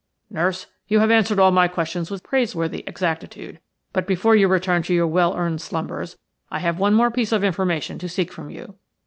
Nurse, you have answered all my questions with praiseworthy exactitude, but before you return to your well earned slumbers I have one more piece of information to seek from you.